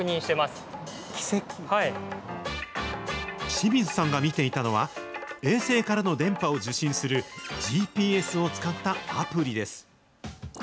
志水さんが見ていたのは、衛星からの電波を受信する、ＧＰＳを使ったアプリです。